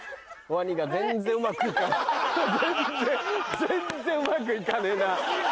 全然全然うまくいかねえな。